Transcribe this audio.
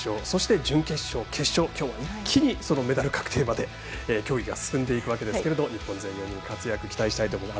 そして、準決勝、決勝ときょうは一気に、メダル確定まで競技が進んでいくわけですが日本勢４人活躍を期待したいです。